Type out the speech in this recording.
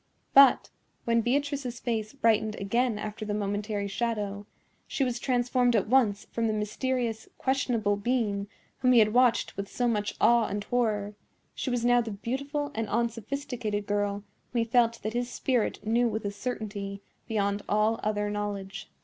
But, when Beatrice's face brightened again after the momentary shadow, she was transformed at once from the mysterious, questionable being whom he had watched with so much awe and horror; she was now the beautiful and unsophisticated girl whom he felt that his spirit knew with a certainty beyond all other knowledge.